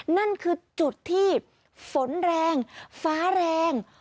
นั่นคือจุดที่ฝนแรงฟ้าแรง